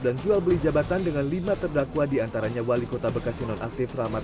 jual beli jabatan dengan lima terdakwa diantaranya wali kota bekasi nonaktif rahmat